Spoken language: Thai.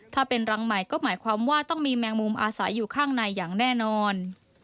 ถ้าเป็นรังใหม่ก็หมายความว่าต้องมีแมงมุมอาศัยอยู่ข้างในอย่างแน่นอน